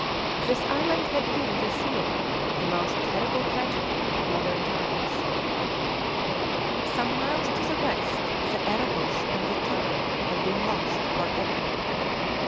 This island had been the theatre of the most terrible tragedy of modern times. Some miles to the west the Erebus and the Terror had been lost for ever.